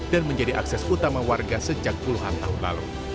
dan menjadi akses utama warga sejak puluhan tahun lalu